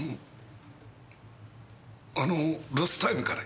あのロスタイムかね？